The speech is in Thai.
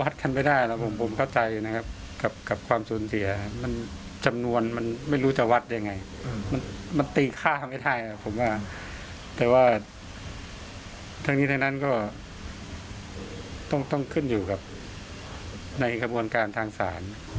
เท่านั้นก็ต้องขึ้นอยู่กับในกระบวนการทางศาล